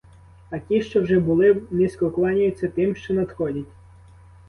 А ті, що вже були, низько кланяються тим, що надходять.